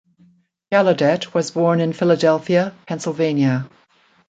Gallaudet was born in Philadelphia, Pennsylvania.